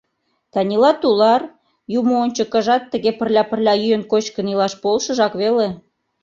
— Танила тулар, юмо ончыкыжат тыге пырля-пырля йӱын-кочкын илаш полшыжак веле.